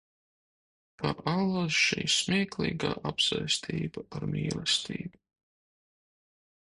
Kā allaž šī smieklīgā apsēstība ar mīlestību!